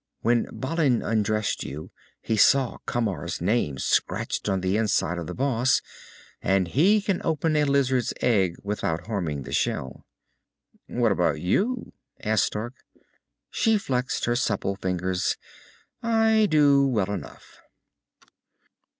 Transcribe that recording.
When Balin undressed you, he saw Camar's name scratched on the inside of the boss. And, he can open a lizard's egg without harming the shell." "What about you?" asked Stark. She flexed her supple fingers. "I do well enough."